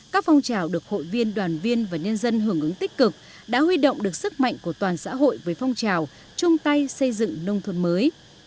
các phong trào được hội viên đoàn viên và nhân dân hưởng ứng tích cực đã huy động được sức mạnh của toàn xã hội với phong trào chung tay xây dựng nông thôn mới